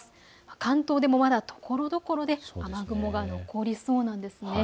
関東でもまだところどころで雨雲がかかりそうなんです。